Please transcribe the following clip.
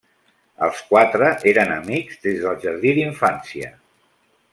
Els quatre eren amics des del jardí d'infància.